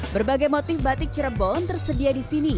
berbagai motif batik cirebon tersedia di sini